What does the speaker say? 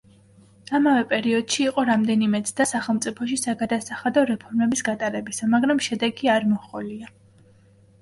ამავე პერიოდში იყო რამდენიმე ცდა სახელმწიფოში საგადასახადო რეფორმების გატარებისა, მაგრამ შედეგი არ მოჰყოლია.